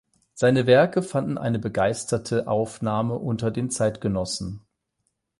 Seine Werke fanden eine begeisterte Aufnahme unter den Zeitgenossen.